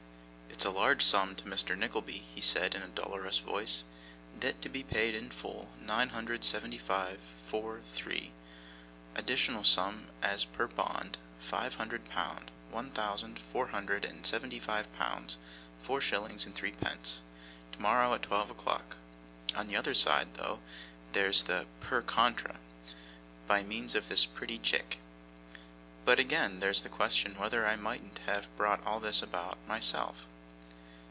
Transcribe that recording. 'It's a large sum to Mr. Nickleby,' he said, in a dolorous voice. 'Debt to be paid in full, nine hundred and seventy five, four, three. Additional sum as per bond, five hundred pound. One thousand, four hundred and seventy five pounds, four shillings, and threepence, tomorrow at twelve o'clock. On the other side, though, there's the PER CONTRA, by means of this pretty chick. But, again, there's the question whether I mightn't have brought all this about, myself.